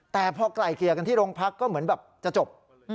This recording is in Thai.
แต่พอไกลเกลี่ยกันที่โรงพักก็เหมือนแบบจะจบ